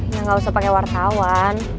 ya gak usah pake wartawan